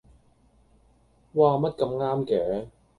嘩，乜咁啱嘅